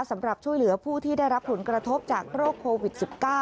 สำหรับช่วยเหลือผู้ที่ได้รับผลกระทบจากโรคโควิด๑๙